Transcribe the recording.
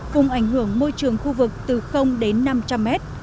vùng ảnh hưởng môi trường khu vực từ đến năm trăm linh mét